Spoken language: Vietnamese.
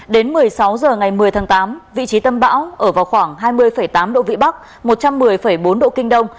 đến một mươi sáu h ngày một mươi tháng tám vị trí tâm bão ở vào khoảng hai mươi tám độ vĩ bắc một trăm một mươi bốn độ kinh đông